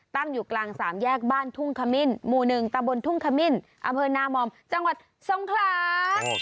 ตั้งอยู่กลางสามแยกบ้านทุ่งคมิลหมู่หนึ่งตะบลทุ่งคมิลอเมินนามอมจังหวัดสงครา